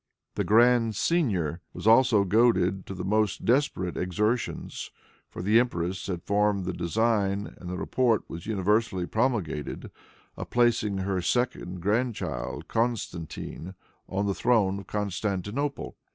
The Grand Seignior was also goaded to the most desperate exertions, for the empress had formed the design, and the report was universally promulgated, of placing her second grandchild, Constantine, on the throne of Constantinople.